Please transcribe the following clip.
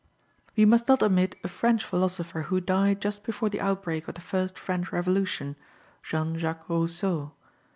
We must not omit a French philosopher who died just before the outbreak of the First French Revolution, Jean Jacques Rousseau.